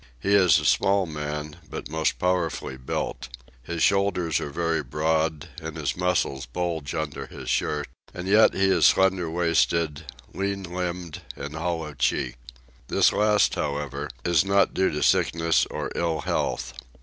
He is a small man, but most powerfully built. His shoulders are very broad, and his muscles bulge under his shirt; and yet he is slender waisted, lean limbed, and hollow cheeked. This last, however, is not due to sickness or ill health.